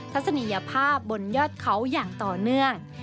ทัศนียภาพบนยอดเขาอย่างต่อเนื่อง